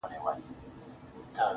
عجيبه کيف دَ کائنات زما په موټي کي ده